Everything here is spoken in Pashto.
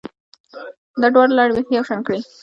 دا دواړې لارې بیخي یو شان کړې